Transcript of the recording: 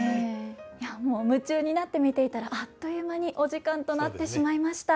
いやもう夢中になって見ていたらあっという間にお時間となってしまいました。